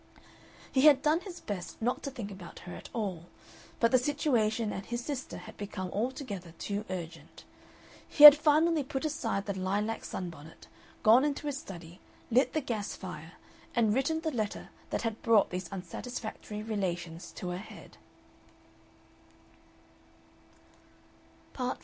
He had done his best not to think about her at all, but the situation and his sister had become altogether too urgent. He had finally put aside The Lilac Sunbonnet, gone into his study, lit the gas fire, and written the letter that had brought these unsatisfactory relations to a head.